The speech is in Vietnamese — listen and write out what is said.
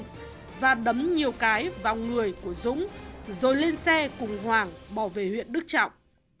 dũng và đấm nhiều cái vào người của dũng rồi lên xe cùng hoàng bỏ về huyện đức trọng